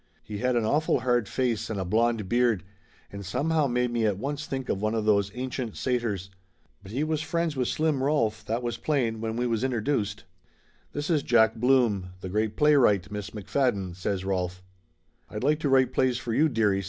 He had an awful hard face and a blond beard, and somehow made me at once think of one of those an cient satyrs. But he was friends with Slim Rolf, that was plain, when we was introduced. "This is Jack Blum, the great playwright, Miss Mc Fadden," says Rolf. "I'd like to write plays for you, dearie!"